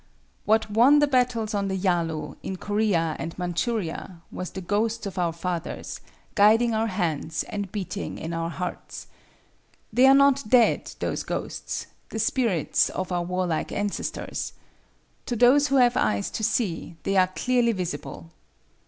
What won the battles on the Yalu, in Corea and Manchuria, was the ghosts of our fathers, guiding our hands and beating in our hearts. They are not dead, those ghosts, the spirits of our warlike ancestors. To those who have eyes to see, they are clearly visible.